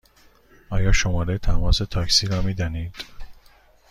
آیا شماره تماس تاکسی را می دانید؟